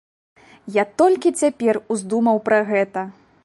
Я толькі цяпер уздумаў пра гэта.